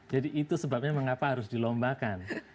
jadi itu sebabnya mengapa harus dilombakan